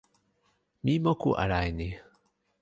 mi moku ala e ni.